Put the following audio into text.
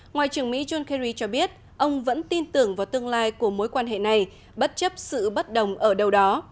ngoại trưởng mỹ john kerry cho biết ông vẫn tin tưởng vào tương lai của mối quan hệ này bất chấp sự bất đồng ở đâu đó